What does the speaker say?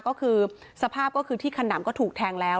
ก็คือสภาพก็คือที่ขนำก็ถูกแทงแล้ว